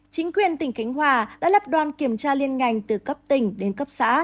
chính quyền tỉnh khánh hòa đã lập đoàn kiểm tra liên ngành từ cấp tỉnh đến cấp xã